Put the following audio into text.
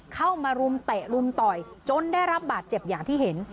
เข้ามารุมเตะรุมต่อยจนได้รับบาดเจ็บอย่างที่เห็น